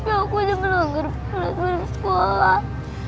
aku udah kelihatan bersekolah